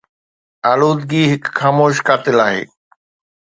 آلودگي هڪ خاموش قاتل آهي.